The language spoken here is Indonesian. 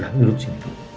sudah duduk sini dulu